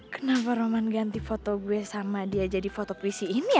kenapa roman ganti foto gue sama dia jadi foto puisi ini